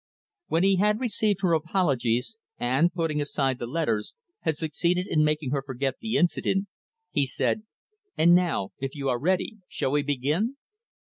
When he had received her apologies, and, putting aside the letters, had succeeded in making her forget the incident, he said, "And now, if you are ready, shall we begin?"